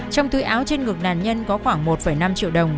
trong túi áo trên ngực nạn nhân có khoảng một năm triệu đồng